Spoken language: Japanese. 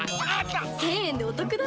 １０００円でおトクだ